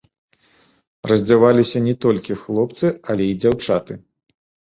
Раздзяваліся не толькі хлопцы, але і дзяўчаты.